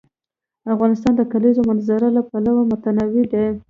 افغانستان د د کلیزو منظره له پلوه متنوع دی.